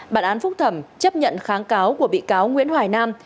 bản án phúc thẩm chấp nhận kháng cáo của bị cáo nguyễn hoài nam